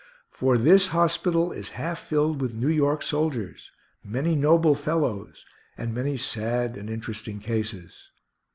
For this hospital is half filled with New York soldiers, many noble fellows, and many sad and interesting cases.